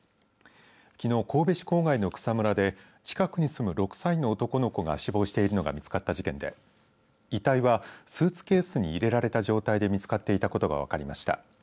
きのう、神戸市郊外の草むらで近くに住む６歳の男の子が死亡しているのが見つかった事件で遺体はスーツケースに入れられた状態で見つかっていたことが分かりました。